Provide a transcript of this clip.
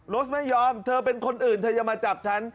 สไม่ยอมเธอเป็นคนอื่นเธออย่ามาจับฉัน